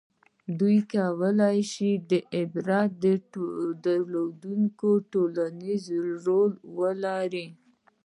• دې کولای شي عبرت درلودونکی ټولنیز رول ولري.